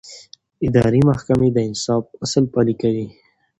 اداري محکمې د انصاف اصل پلي کوي.